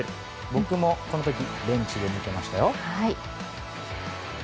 僕もこの時ベンチで見てましたよ。